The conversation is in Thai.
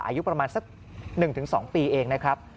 อายุประมาณสัก๑๒ปีเองนะครับ